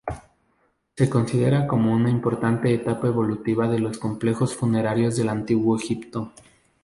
Se considera como una importante etapa evolutiva de los complejos funerarios del antiguo Egipto.